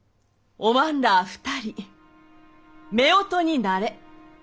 おまんら２人めおとになれ。